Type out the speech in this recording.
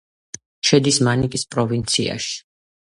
შედის მანიკის პროვინციაში.